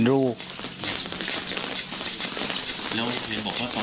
คือผู้ตายคือวู้ไม่ได้ยิน